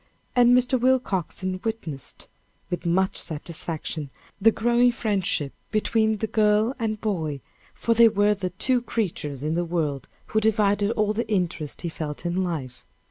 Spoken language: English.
And Mr. Willcoxen witnessed, with much satisfaction, the growing friendship between the girl and boy, for they were the two creatures in the world who divided all the interest he felt in life.